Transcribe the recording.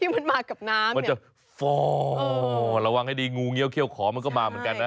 มันมากับน้ำมันจะฟ่อระวังให้ดีงูเงี้ยเขี้ยขอมันก็มาเหมือนกันนะ